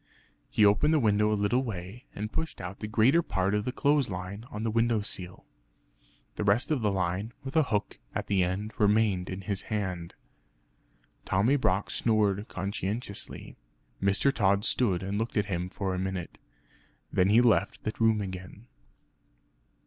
He opened the window a little way, and pushed out the greater part of the clothes line on to the window sill. The rest of the line, with a hook at the end, remained in his hand. Tommy Brock snored conscientiously. Mr. Tod stood and looked at him for a minute; then he left the room again.